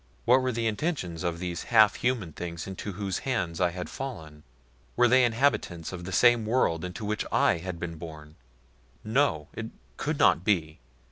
What were the intentions of these half human things into whose hands I had fallen? Were they inhabitants of the same world into which I had been born? No! It could not be.